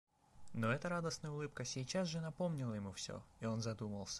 Но эта радостная улыбка сейчас же напомнила ему всё, и он задумался.